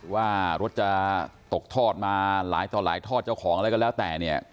ว่ารถจะตกทอดมาหลายต่อหลายทอดเจ้าของอะไรก็แล้วแต่เนี่ย